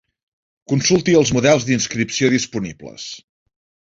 Consulti els models d'inscripció disponibles.